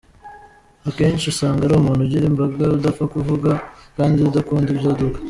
Akenshi usanga ari umuntu ugira ibanga, udapfa kuvuga kandi udakunda ibyaduka.